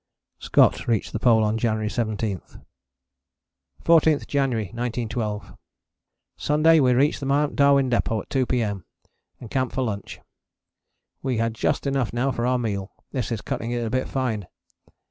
[Scott reached the Pole on January 17.] 14th January 1912. Sunday, we reached the Mt. Darwin Depôt at 2 P.M. and camped for lunch. We had just enough now for our meal; this is cutting it a bit fine.